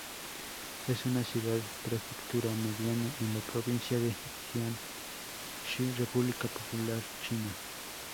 Es una ciudad-prefectura mediana en la provincia de Jiangxi, República Popular China.